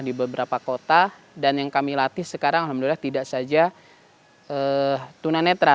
di beberapa kota dan yang kami latih sekarang alhamdulillah tidak saja tunanetra